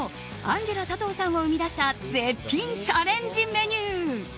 アンジェラ佐藤さんを生み出した絶品チャレンジメニュー。